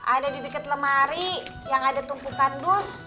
ada di deket lemari yang ada tumpukan bus